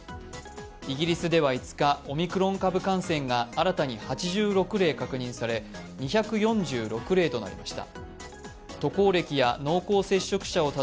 イギリスでは５日、オミクロン株感染が新たに８６例確認され、２４６例となりました。